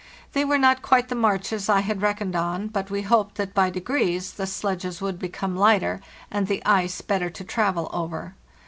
They were not quite the marches I had reckoned on, but we hoped that by degrees the sledges would become lighter and the ice better to travel over.